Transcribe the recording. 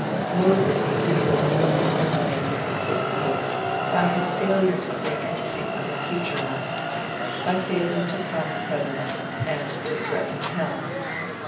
Moses differed from most of the makers of sacred books by his failure to say anything of a future life, by failing to promise heaven, and to threaten hell.